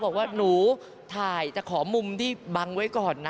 บอกว่าหนูถ่ายแต่ขอมุมที่บังไว้ก่อนนะ